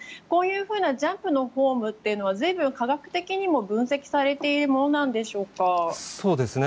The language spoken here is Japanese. こういうふうなジャンプのフォームというのは随分、科学的にも分析されているものなんでしょうか。